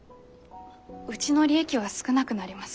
うちの利益は少なくなります。